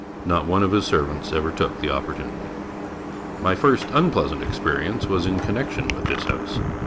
Not one of his servants ever took the opportunity. My first unpleasant experience was in connection with this house.